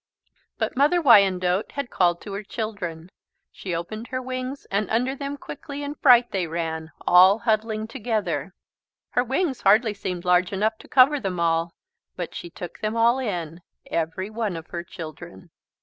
But Mother Wyandotte had called to her children. She opened her wings and under them quickly in fright they ran, all huddling together. Her wings hardly seemed large enough to cover them all, but she took them all in, every one of her children.